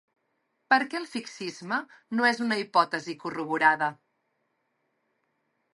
Per què el fixisme no és una hipòtesi corroborada?